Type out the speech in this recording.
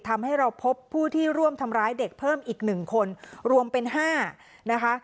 ทำให้เราพบผู้ที่ร่วมทำร้ายเด็กเพิ่มอีก๑คนรวมเป็น๕นะคะ